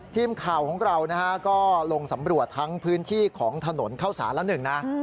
ทีมข่าวของเรานะฮะก็ลงสำรวจทั้งพื้นที่ของถนนเข้าสารละหนึ่งนะ